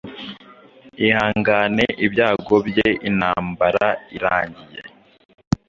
Ihangane ibyago bye intambara irangiye